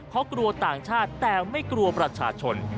เพราะกลัวต่างชาติแต่ไม่กลัวประชาชน